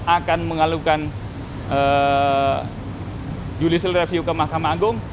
akan mengalukan judicial review ke mahkamah agung